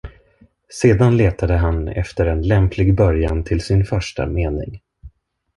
Sedan letade han efter en lämplig början till sin första mening.